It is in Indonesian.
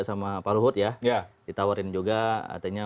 sama pak luhut ya ditawarin juga artinya